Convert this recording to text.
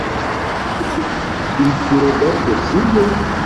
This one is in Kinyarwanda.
Turi kure gato, sibyo?